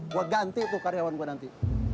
gua ganti tuh karyawan gua nanti